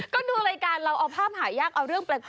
ก็ดูรายการเราเอาภาพหายากเอาเรื่องแปลก